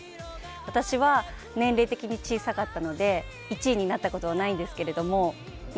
私は年齢的に小さかったので１位になったことはないんですけれども